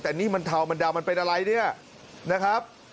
แต่นี่มันเทามันดำมันเป็นอะไรเนี่ยนะครับ